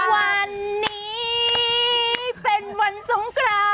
วันนี้เป็นวันสงคราน